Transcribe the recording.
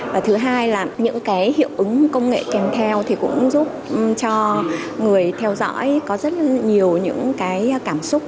và thứ hai là những cái hiệu ứng công nghệ kèm theo thì cũng giúp cho người theo dõi có rất là nhiều những cái cảm xúc